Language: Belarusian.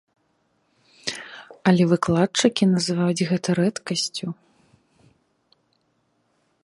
Але выкладчыкі называюць гэта рэдкасцю.